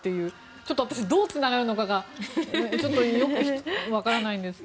ちょっと私はどうつながるのかよくわからないんですが。